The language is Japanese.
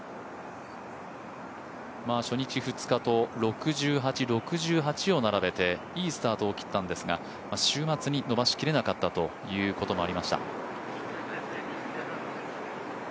初日、２日と６８、６８を並べていいスタートを切ったんですが週末に伸ばしきれなかったということもありました。